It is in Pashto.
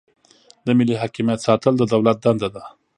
د ملي حاکمیت ساتل د دولت دنده ده.